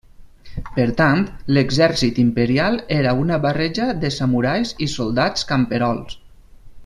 Per tant, l'exèrcit imperial era una barreja de samurais i soldats camperols.